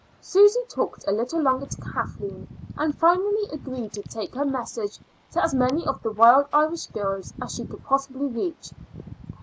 Susy talked a little longer to Kathleen, and finally agreed to take her message to as many of the Wild Irish Girls as she could possibly reach.